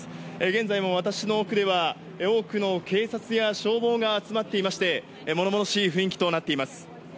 現在も奥では多くの警察や消防が集まっていまして物々しい雰囲気となっています。